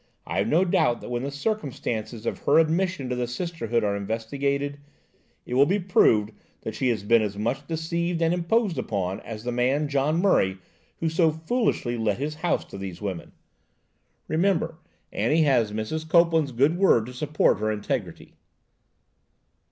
I've no doubt that when the circumstances of her admission to the Sisterhood are investigated, it will be proved that she has been as much deceived and imposed upon as the man, John Murray, who so foolishly let his house to these women. Remember, Annie has Mrs. Copeland's good word to support her integrity."